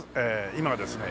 今ですね